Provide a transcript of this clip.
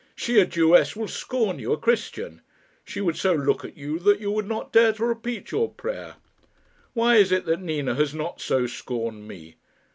She, a Jewess, will scorn you, a Christian. She would so look at you that you would not dare to repeat your prayer. Why is it that Nina has not so scorned me?